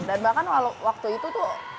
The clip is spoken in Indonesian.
dan bahkan waktu itu tuh